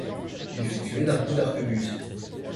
Il fut tué d'un coup d'arquebuse.